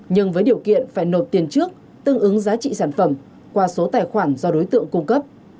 nhưng với điều kiện phải nộp tiền trước tương ứng giá trị sản phẩm qua số tài khoản do đối tượng cung cấp